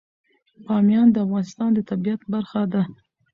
بامیان د افغانستان د طبیعت برخه ده.